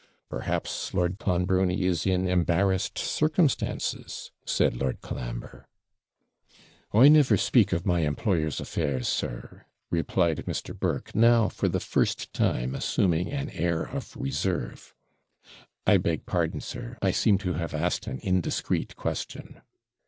'Perhaps Lord Clonbrony is in embarrassed circumstances said Lord Colambre. 'I never speak of my employer's affairs, sir,' replied Mr. Burke; now for the first time assuming an air of reserve. 'I beg pardon, sir I seem to have asked an indiscreet question.'